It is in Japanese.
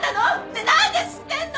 ねえ何で知ってんの！？